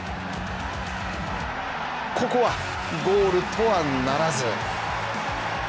ここはゴールとはならず。